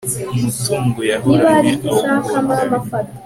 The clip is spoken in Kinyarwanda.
umutungo yahoranye awukuba kabiri